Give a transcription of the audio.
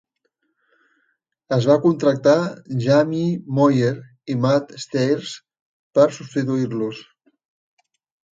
Es va contractar Jamie Moyer i Matt Stairs per substituir-los.